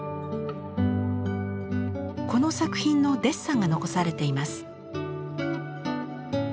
この作品のデッサンが残されています。